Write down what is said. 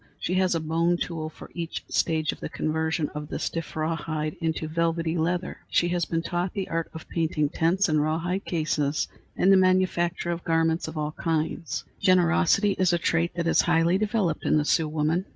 She has a bone tool for each stage of the conversion of the stiff rawhide into velvety leather. She has been taught the art of painting tents and rawhide cases, and the manufacture of garments of all kinds. Generosity is a trait that is highly developed in the Sioux woman.